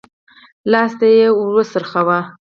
لاستی يې وڅرخوه.